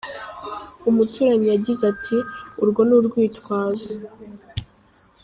Umuturanyi yagize ati :« Urwo ni urwitwazo.